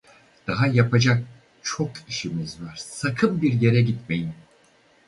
Daha yapacak çok işimiz var, sakın bir yere gitmeyin.